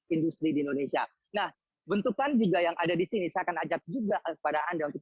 industri di indonesia nah bentukan juga yang ada di sini saya akan ajak juga kepada anda untuk